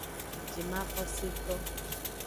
Jimaxoseto.